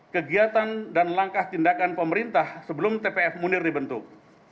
kegiatan dan langkah tindakan pemerintah sebelum tpf munir dibentuk